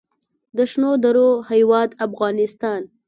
د شنو درو هیواد افغانستان.